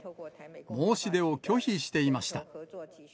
申し出を拒否していました。